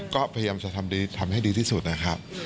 ก็พยายามจะทำให้ดีที่สุดนะครับ